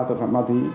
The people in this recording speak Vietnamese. tội phạm ma túy